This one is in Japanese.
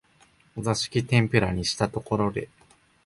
お座敷天婦羅にしたところで、